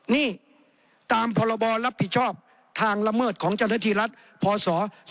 นี่ตามพรบรับผิดชอบทางละเมิดของเจ้าหน้าที่รัฐพศ๒๕๖